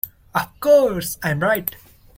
Of course, I'm right.